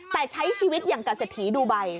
แต่ใช้ชีวิตอย่างตัดสิทธิดูใบ